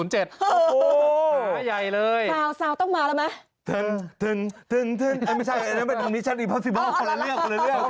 หาใหญ่เลยต้องมาแล้วไหมไม่ใช่อันนี้ชั้นอีพัสซิบอลคนละเลือก